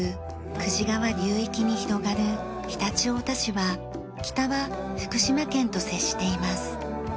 久慈川流域に広がる常陸太田市は北は福島県と接しています。